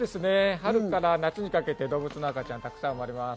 春から夏にかけて動物の赤ちゃん、たくさん生まれます。